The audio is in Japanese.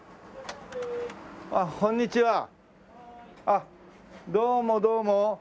あっどうもどうも。